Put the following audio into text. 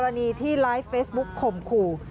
ที่ไลฟ์เฟซบุ๊กข่มขู่